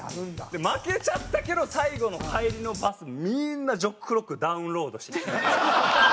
負けちゃったけど最後の帰りのバスみんな『ジョックロック』ダウンロードして聴いてました。